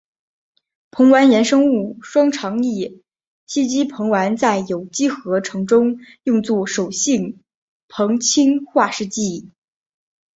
硼烷衍生物双长叶烯基硼烷在有机合成中用作手性硼氢化试剂。